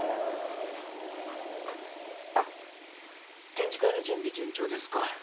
展示会の準備順調ですか？